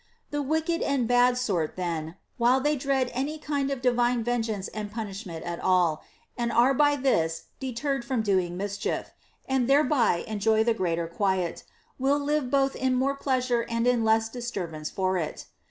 The wicked and bad sort then, while they dread any kind of divine vengeance and punishment at all, and are by this deterred from doing mischief, and thereby enjoy the greater quiet, will live both in more pleasure and in less disturbance for it.